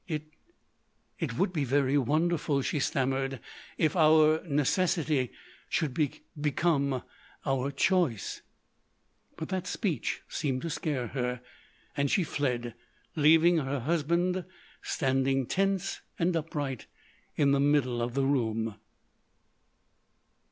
"It—it would be very wonderful," she stammered, "—if our necessity should be become our choice." But that speech seemed to scare her and she fled, leaving her husband standing tense and upright in the middle of the room.